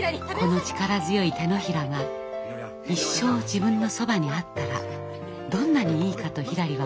この力強い手のひらが一生自分のそばにあったらどんなにいいかとひらりは思っていました。